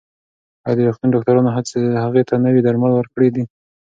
ایا د روغتون ډاکټرانو هغې ته نوي درمل ورکړي دي؟